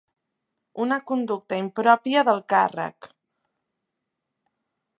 Una conducta impròpia del càrrec